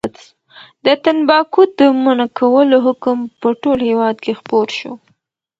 د تنباکو د منع کولو حکم په ټول هېواد کې خپور شو.